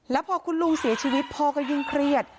แล้วพอคุณลุงเสียชีวิตพ่อก็ยิ่งเครียด